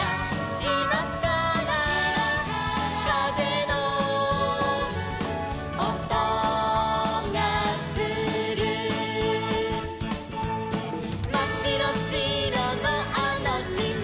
「しまからかぜのおとがする」「まっしろしろのあのしまで」